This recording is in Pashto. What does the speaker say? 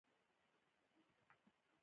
افراد که د هرې عقیدې او دوکتورین تابع وي.